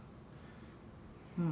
うん。